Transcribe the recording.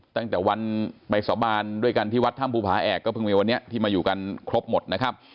ตั้งแต่วันไปสาบานด้วยกันที่วัดถ้ำภูผาแอกก็เพิ่งมีวันนี้ที่มาอยู่กันครบหมดนะครับ